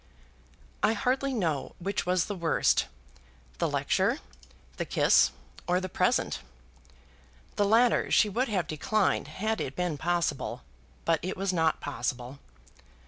I hardly know which was the worst, the lecture, the kiss, or the present. The latter she would have declined, had it been possible; but it was not possible.